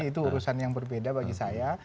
itu urusan yang berbeda bagi saya